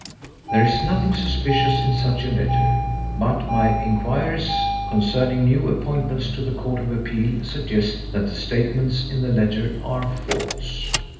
There is nothing suspicious in such a letter, but my inquiries concerning new appointments to the Court of Appeal suggest that the statements in the letter are false.